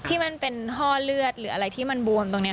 ที่มันเป็นห้อเลือดหรืออะไรที่มันบวมตรงนี้